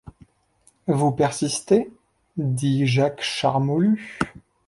Vous persistez ? dit Jacques Charmolue.